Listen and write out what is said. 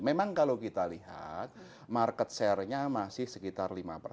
memang kalau kita lihat market share nya masih sekitar lima persen